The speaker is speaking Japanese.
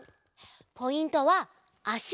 ポイントはあし。